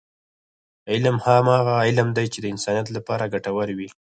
علم هماغه علم دی، چې د انسانیت لپاره ګټور وي.